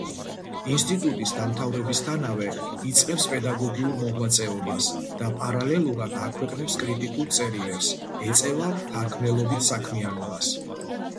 ინსტიტუტის დამთავრებისთანავე იწყებს პედაგოგიურ მოღვაწეობას და პარალელურად აქვეყნებს კრიტიკულ წერილებს, ეწევა მთარგმნელობით საქმიანობას.